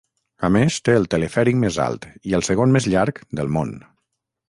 A més, té el telefèric més alt i el segon més llarg del món.